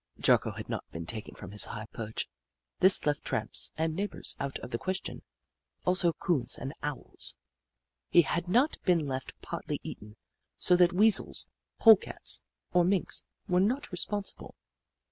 Jocko had not been taken from his high perch — this left tramps and neighbours out of the question, also Coons and Owls. He had not been left partly eaten, so that Weasels, Pole Cats, or Minks were not responsible.